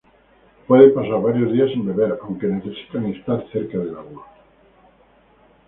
Pueden pasar varios días sin beber, aunque necesitan estar cerca del agua.